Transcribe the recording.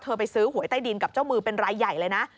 ไปซื้อหวยใต้ดินกับเจ้ามือเป็นรายใหญ่เลยนะ